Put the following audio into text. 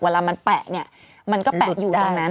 เวลามันแปะเนี่ยมันก็แปะอยู่ดังนั้น